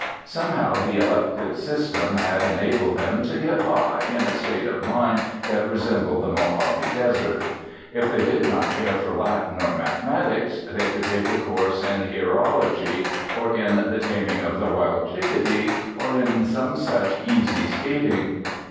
Somehow the elective system had enabled them "to get by" in a state of mind that resembled the Mojave Desert. If they did not care for Latin or mathematics they could take a course in Hierology or in The Taming of the Wild Chickadee or in some such easy skating.